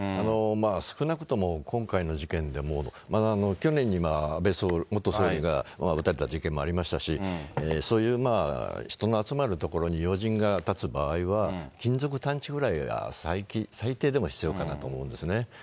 少なくとも今回の事件でも、去年には安倍元総理が撃たれた事件もありましたし、そういう人の集まる所に要人が立つ場合は、金属探知ぐらいは最低でも必要かなと思うんですね。